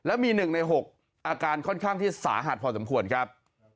แล้วมี๑ใน๖อาการค่อนข้างที่สาหัสพอสมควรครับ